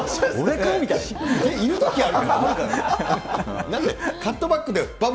いるときある。